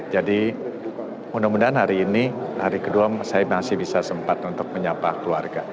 jadi mudah mudahan hari ini hari kedua saya masih bisa sempat untuk menyapa keluarga